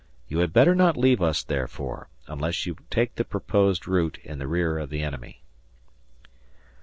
You had better not leave us, therefore, unless you take the proposed route in the rear of the enemy.